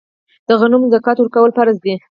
د غنمو زکات ورکول فرض دي.